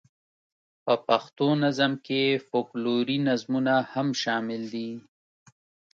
په پښتو نظم کې فوکلوري نظمونه هم شامل دي.